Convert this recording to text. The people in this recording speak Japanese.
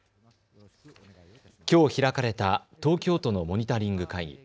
きょう開かれた東京都のモニタリング会議。